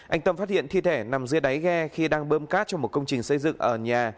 anh tâm phát hiện thi thể nằm dưới đáy ghe khi đang bơm cát cho một công trình xây dựng ở nhà